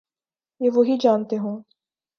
یہ وہی جانتے ہوں۔